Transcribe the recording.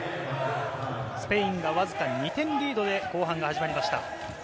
スペインがわずかに２点リードで後半が始まりました。